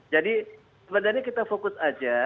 jadi sebenarnya kita fokus saja